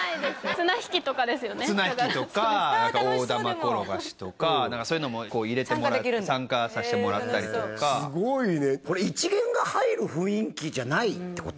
綱引きとか大玉転がしとか楽しそうでもそういうのも参加さしてもらったりとかこれ一見が入る雰囲気じゃないってこと？